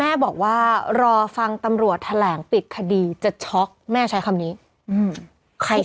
แม่บอกว่ารอฟังตำรวจแถลงปิดคดีจะช็อกแม่ใช้คำนี้อืมใคร